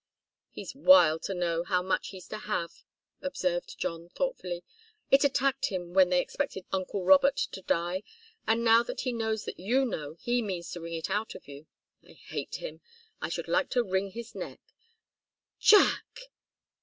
"He's wild to know how much he's to have," observed John, thoughtfully. "It attacked him when they expected uncle Robert to die. And now that he knows that you know, he means to wring it out of you. I hate him. I should like to wring his neck." "Jack!"